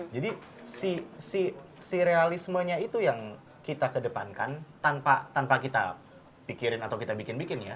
jadi si realismenya itu yang kita kedepankan tanpa kita pikirin atau kita bikin bikin ya